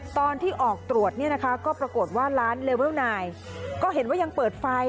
ตอนที่ออกตรวจเนี่ยนะคะก็ปรากฏว่าร้านเลเวลนายก็เห็นว่ายังเปิดไฟ